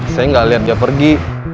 saya nggak lihat dia pergi